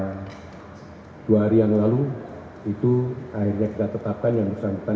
dan akhirnya dua hari yang lalu itu akhirnya kita tetapkan yang bersangkutan